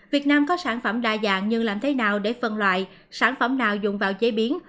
việt nam có sản phẩm đa dạng nhưng làm thế nào để phân loại sản phẩm nào dùng vào chế biến